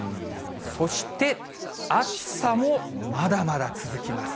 そして、暑さもまだまだ続きます。